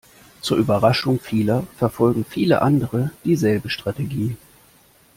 Zur Überraschung vieler verfolgen viele andere dieselbe Strategie.